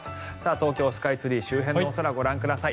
東京スカイツリー周辺のお空ご覧ください。